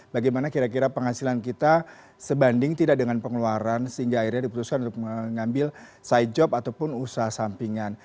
bagaimana kira kira penghasilan kita sebanding tidak dengan pengeluaran sehingga akhirnya diputuskan untuk mengambil side job ataupun usaha sampingan